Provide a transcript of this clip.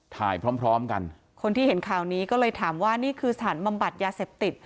พร้อมพร้อมกันคนที่เห็นข่าวนี้ก็เลยถามว่านี่คือสถานบำบัดยาเสพติด